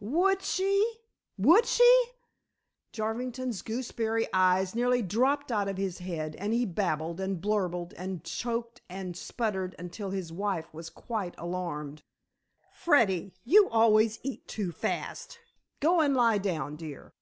would she? would she?" Garvington's gooseberry eyes nearly dropped out of his head, and he babbled, and burbled, and choked, and spluttered, until his wife was quite alarmed. "Freddy, you always eat too fast. Go and lie down, dear."